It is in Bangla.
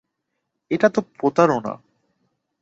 এটা তো প্রতারণা।